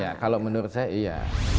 ya kalau menurut saya iya